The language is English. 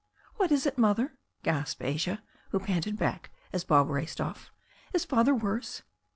"What is it. Mother?" gasped Asia, who panted back as Bob raced off. "Is Father worse?"